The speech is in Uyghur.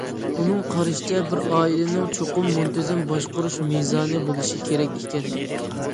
ئۇنىڭ قارىشىچە، بىر ئائىلىنىڭ چوقۇم مۇنتىزىم باشقۇرۇش مىزانى بولۇشى كېرەك ئىكەن.